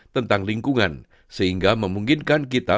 tentang lingkungan sehingga memungkinkan kita